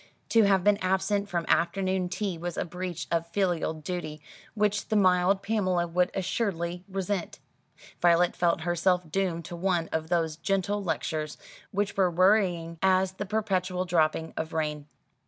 To have been absent from afternoon tea was a breach of filial duty which the mild Pamela would assuredly resent. Violet felt herself doomed to one of those gentle lectures, which were worrying as the perpetual dropping of rain.